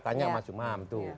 tanya mas jum'am tuh